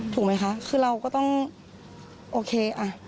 ถูกไหมคะคือเราก็ต้องโอเคอ่ะ